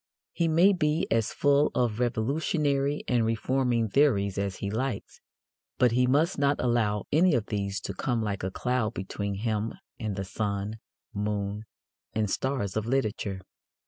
He may be as full of revolutionary and reforming theories as he likes, but he must not allow any of these to come like a cloud between him and the sun, moon and stars of literature.